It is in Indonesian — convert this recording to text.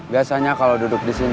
biasanya kalau duduk di sini